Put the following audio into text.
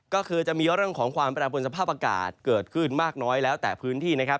ก็คือจะมีเรื่องของความแปรปวนสภาพอากาศเกิดขึ้นมากน้อยแล้วแต่พื้นที่นะครับ